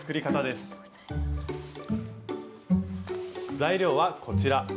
材料はこちら。